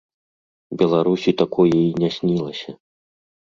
Беларусі такое і не снілася.